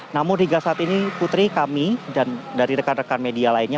namun hingga saat ini putri kami dan dari rekan rekan media lainnya